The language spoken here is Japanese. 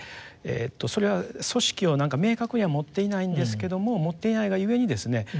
それは組織を明確には持っていないんですけども持っていないがゆえにですね